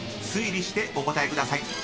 推理してお答えください］